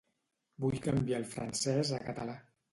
Vull canviar el francès a català.